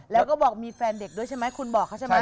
แล้วก็บอกมีแฟนเด็กด้วยใช่ไหมคุณบอกเขาใช่ไหม